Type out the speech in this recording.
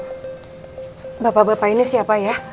bapak bapak ini siapa ya